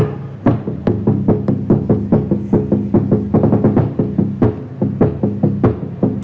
โอ๊ย